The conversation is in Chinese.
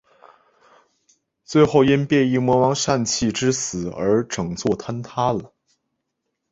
最后因变异魔王膻气之死而整座崩塌了。